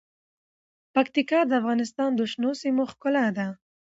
پکتیکا د افغانستان د شنو سیمو ښکلا ده.